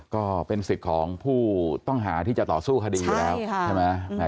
ก็เป็นสิทธิ์ของผู้ต้องหาที่จะต่อสู้คดีอยู่แล้วใช่ไหม